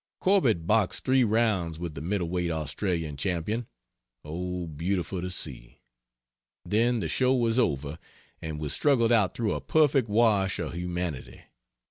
Corbett boxed 3 rounds with the middle weight Australian champion oh, beautiful to see! then the show was over and we struggled out through a perfect wash of humanity.